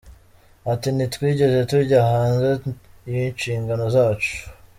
Ati “Ntitwigeze tujya hanze y’inshingano zacu.